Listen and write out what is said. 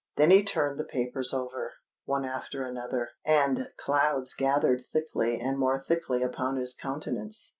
Then he turned the papers over—one after another; and clouds gathered thickly and more thickly upon his countenance.